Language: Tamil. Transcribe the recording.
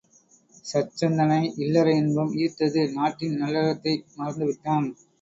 சச்சந்தனை இல்லற இன்பம் ஈர்த்தது நாட்டின் நல்லறத்தை மறந்து விட்டான்.